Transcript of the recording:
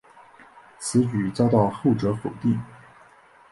此举遭到后者否定。